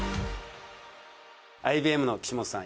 アイ・ビー・エムの岸本さん